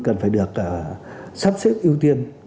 cần phải được sắp xếp ưu tiên